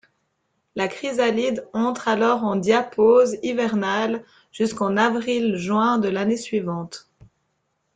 La chrysalide entre alors en diapause hivernale, jusqu'en avril-juin de l'année suivante.